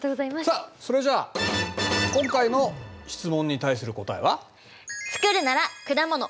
さあそれじゃあ今回の質問に対する答えは？